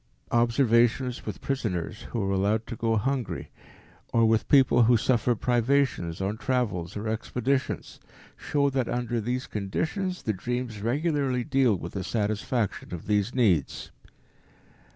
Observations with prisoners who are allowed to go hungry, or with people who suffer privations on travels or expeditions, show that under these conditions the dreams regularly deal with the satisfaction of these needs.